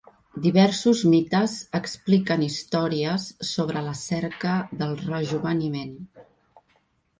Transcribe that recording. Diversos mites expliquen històries sobre la cerca del rejoveniment.